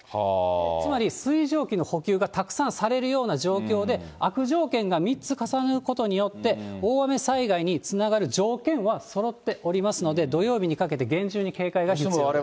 つまり水蒸気の補給がたくさんされるような状況で、悪条件が３つ重なることによって、大雨災害につながる条件はそろっておりますので、土曜日にかけて厳重に警戒が必要です。